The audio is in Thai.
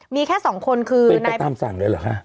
มีแค่สองคนคือเป็นไปตามสั่งเลยเหรอคะ